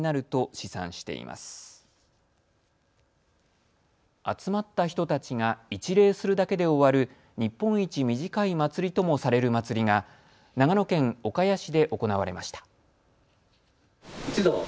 集まった人たちが一礼するだけで終わる日本一短い祭りともされる祭りが長野県岡谷市で行われました。